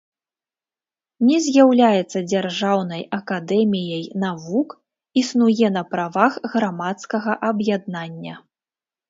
Не з'яўляецца дзяржаўнай акадэміяй навук, існуе на правах грамадскага аб'яднання.